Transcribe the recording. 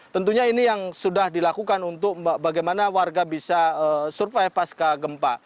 tentunya ini yang sudah dilakukan untuk bagaimana warga bisa survive pasca gempa